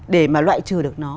để mà loại trừ được nó